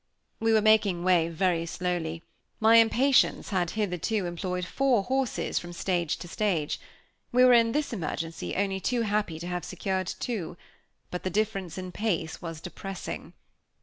We were making way very slowly. My impatience had hitherto employed four horses from stage to stage. We were in this emergency, only too happy to have secured two. But the difference in pace was depressing.